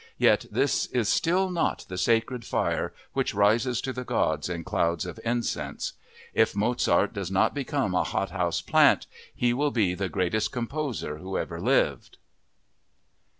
Yet this is still not the sacred fire which rises to the gods in clouds of incense. If Mozart does not become a hot house plant he should be the greatest composer who ever lived."